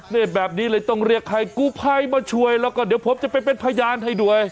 นี่แบบนี้เลยต้องเรียกใครกู้ภัยมาช่วยแล้วก็เดี๋ยวผมจะไปเป็นพยานให้ด้วย